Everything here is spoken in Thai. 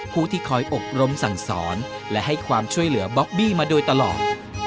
ผู้ที่คอยอบรมสั่งสอนและให้ความช่วยเหลือบ๊อบบี้มาโดยตลอด